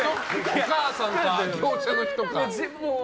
お母さんか業者の人か。